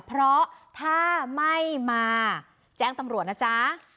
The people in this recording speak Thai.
เพราะถ้าไม่มาแจ้งตำรวจนะจ๊ะ